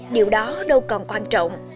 điều đó đâu còn quan trọng